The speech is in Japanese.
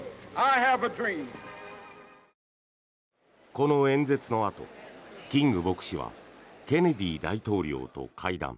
この演説のあと、キング牧師はケネディ大統領と会談。